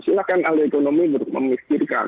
silahkan ahli ekonomi memikirkan